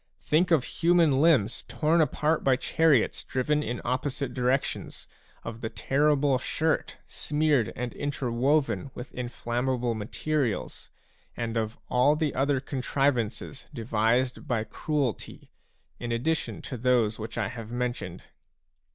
Think of human limbs torn apart by chariots driven in opposite directions, of the terrible shirt smeared and interwoven with inflammable materials, and of all the other contrivances devised by cruelty, in addition to those which I have mentioned